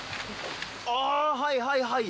はいはいはい。